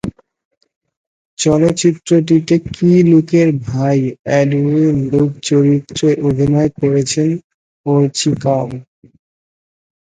চলচ্চিত্রটিতে কি লুকের ভাই এডউইন লুক চরিত্রে অভিনয় করেছেন অর্চি কাও।